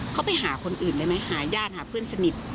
เขาไปหาคนอื่นได้ไหมหาญาติหาเพื่อนสนิท